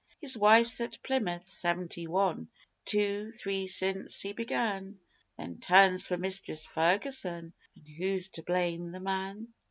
His wife's at Plymouth.... Seventy One Two Three since he began Three turns for Mistress Ferguson ... an' who's to blame the man?